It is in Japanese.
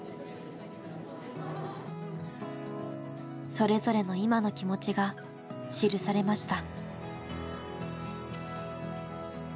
それぞれの今の気持ちが記されました。